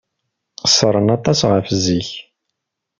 Qeṣṣren aṭas ɣef zik.